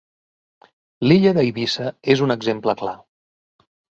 L'illa d'Eivissa és un exemple clar.